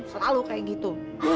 selalu kayak gitu